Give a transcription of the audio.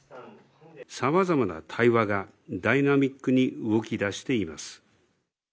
さまざまな対話がダイナミックに動きだしています。